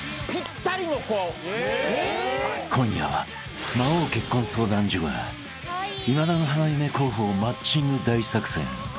［今夜は魔王結婚相談所が今田の花嫁候補をマッチング大作戦］